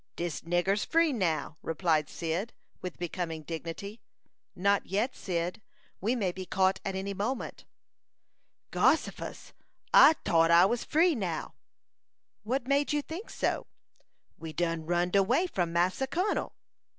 "Dis nigger's free now," replied Cyd, with becoming dignity. "Not yet, Cyd. We may be caught at any moment." "Gossifus! I tought I was free now." "What made you think so?" "We done runned away from Massa Kun'l."